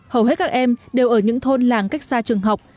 hầu hết các em đều ở những thôn làng cách xa trường học